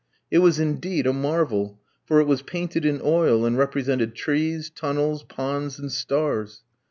It was indeed a marvel, for it was painted in oil, and represented trees, tunnels, ponds, and stars.